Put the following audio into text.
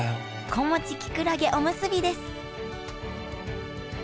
子持ちきくらげおむすびですわ